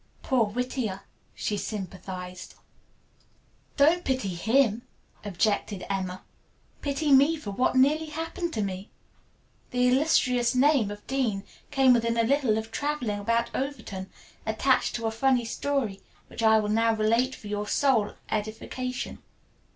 "Poor Whittier," she sympathized. "Don't pity him," objected Emma. "Pity me for what nearly happened to me. The illustrious name of Dean came within a little of traveling about Overton attached to a funny story, which I will now relate for your sole edification.